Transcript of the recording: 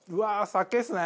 酒っすね。